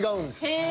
へえ。